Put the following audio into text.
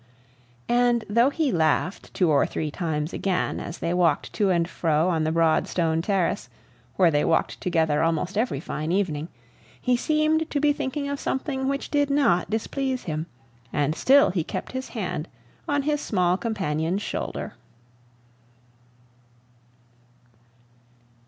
And though he laughed two or three times again, as they walked to and fro on the broad stone terrace, where they walked together almost every fine evening, he seemed to be thinking of something which did not displease him, and still he kept his hand on his small companion's shoulder.